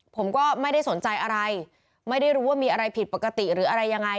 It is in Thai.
ผมก็ไม่ได้สนใจอะไรไม่ได้รู้ว่ามีอะไรผิดปกติหรืออะไรยังไง